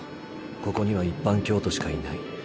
ここには一般教徒しかいない。